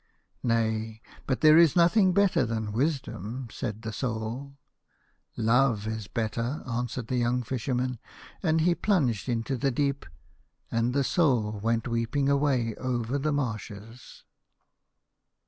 " Nay, but there is nothing better than Wisdom," said the Soul. " Love is better," answered the young Fisherman, and he plunged into the deep, and the Soul went weeping away over the marshes.